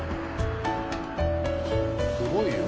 すごいよ。